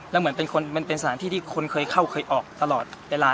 แล้วเหมือนมันเป็นสถานที่ที่คนเคยเข้าเคยออกตลอดเวลา